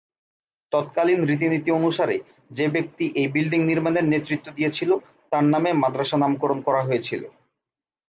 তৎকালীন রীতিনীতি অনুসারে, যে ব্যক্তি এই বিল্ডিং নির্মাণের নেতৃত্ব দিয়েছিল তার নামে মাদ্রাসা নামকরণ করা হয়েছিল।